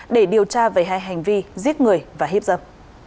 để điều tra về hai hành vi giết người và hiếp dâm